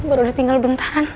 baru ditinggal bentaran